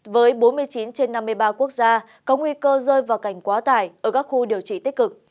với bốn mươi chín trên năm mươi ba quốc gia có nguy cơ rơi vào cảnh quá tải ở các khu điều trị tích cực